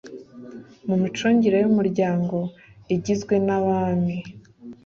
mu micungire y umuryango igizwe n abami